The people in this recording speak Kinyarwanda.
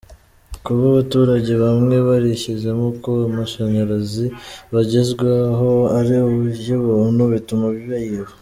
Kuba abaturage bamwe barishyizemo ko amashanyarazi bagezwaho ari ay’ubuntu bituma bayiba.